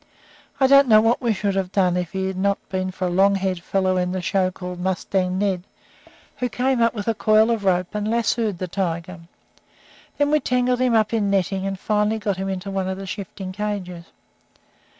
I don't know what we should have done if it hadn't been for a long haired fellow in the show called 'Mustang Ned,' who came up with a coil of rope and lassoed the tiger. Then we tangled him up in netting, and finally got him into one of the shifting cages.